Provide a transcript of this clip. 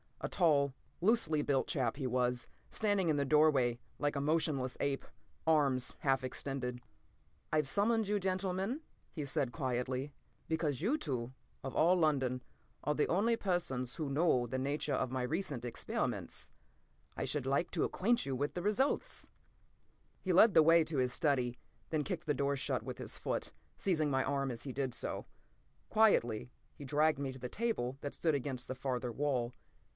A tall, loosely built chap he was, standing in the doorway like a motionless ape, arms half extended. "I've summoned you, gentlemen," he said quietly, "because you two, of allLondon, are the only persons who know the nature of my recent experiments. I should like to acquaint you with the results!" He led the way to his study, then kicked the door shut with his foot, seizing my arm as he did so. Quietly he dragged me to the table that stood against the farther wall.